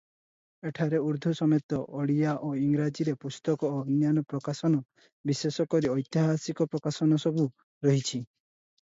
ଏଠାରେ ଉର୍ଦ୍ଦୁ ସମେତ ଓଡ଼ିଆ ଓ ଇଂରାଜୀରେ ପୁସ୍ତକ ଓ ଅନ୍ୟାନ୍ୟ ପ୍ରକାଶନ ବିଶେଷ କରି ଐତିହାସିକ ପ୍ରକାଶନସବୁ ରହିଛି ।